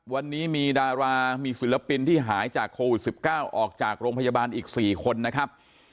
วันนี้มีดารามีศิลปินที่หายจากโควิด๑๙ออกจากโรงพยาบาลอีก๔คนนะครับ